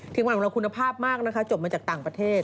ทีมงานของเราคุณภาพมากจบมาจากต่างประเทศ